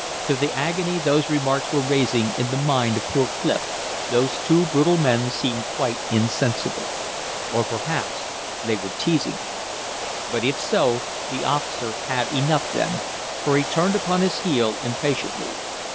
To the agony those remarks were raising in the mind of poor Clif those two brutal men seemed quite insensible. Or perhaps they were teasing him. But if so, the officer had enough then, for he turned upon his heel impatiently.